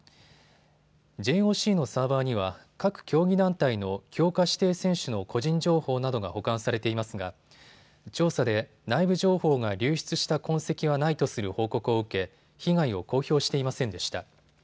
ＪＯＣのサーバーには各競技団体の強化指定選手の個人情報などが保管されていますが調査で内部情報が流出した痕跡はないとする報告を受け被害を公表していませんでした。